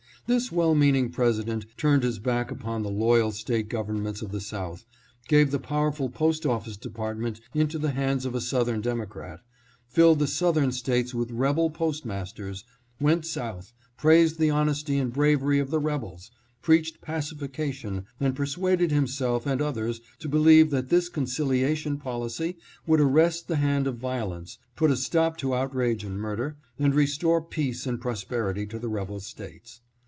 This well meaning President turned his back upon the loyal state governments of the South, gave the powerful Post Office Department into the hands of a Southern Democrat, filled the Southern States with rebel postmasters, went South, praised the honesty and bravery of the rebels, preached pacification, and persuaded himself and others to believe that this conciliation policy would arrest the hand of violence, put a stop to outrage and murder, and restore peace and prosperity to the rebel States.